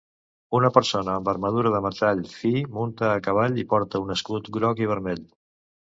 Un persona amb armadura de metall fi, munta a cavall i porta un escut groc i vermell.